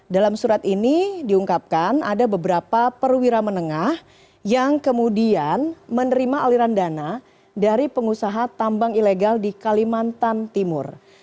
dalam surat ini diungkapkan ada beberapa perwira menengah yang kemudian menerima aliran dana dari pengusaha tambang ilegal di kalimantan timur